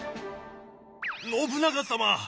信長様